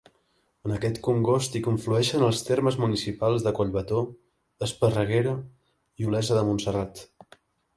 En aquest congost hi conflueixen els termes municipals de Collbató, Esparreguera i Olesa de Montserrat.